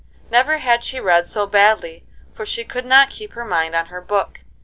Never had she read so badly, for she could not keep her mind on her book.